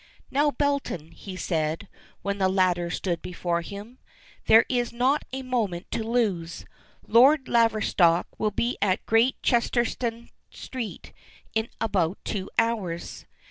"Now, Belton," he said, when the latter stood before him, "there is not a moment to lose. Lord Laverstock will be at Great Chesterton Street in about two hours.